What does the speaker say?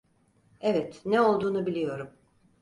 Evet, ne olduğunu biliyorum.